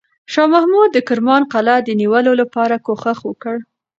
شاه محمود د کرمان قلعه د نیولو لپاره کوښښ وکړ.